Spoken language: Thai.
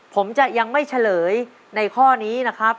ผมจะยังไม่เฉลยในข้อนี้นะครับ